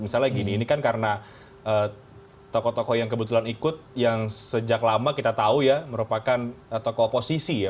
misalnya gini ini kan karena tokoh tokoh yang kebetulan ikut yang sejak lama kita tahu ya merupakan tokoh oposisi ya